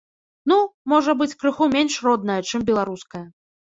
Ну, можа быць, крыху менш родная, чым беларуская.